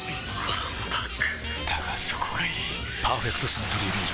わんぱくだがそこがいい「パーフェクトサントリービール糖質ゼロ」